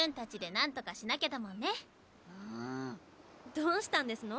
どうしたんですの？